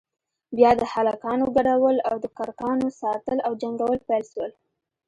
بيا د هلکانو گډول او د کرکانو ساتل او جنگول پيل سول.